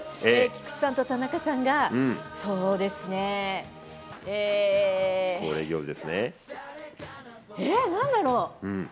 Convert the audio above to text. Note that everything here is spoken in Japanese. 菊池さんと田中さんがそうですね、え、何だろう？